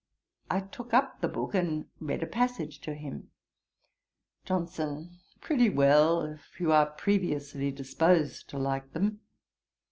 I took up the book and read a passage to him. JOHNSON. 'Pretty well, if you are previously disposed to like them.'